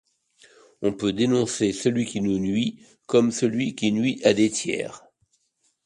On peut dénoncer celui qui nous nuit comme celui qui nuit à des tiers.